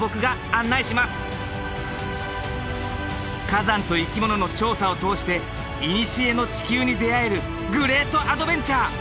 火山と生き物の調査を通していにしえの地球に出会えるグレートアドベンチャー！